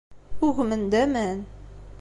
Ugmen-d aman.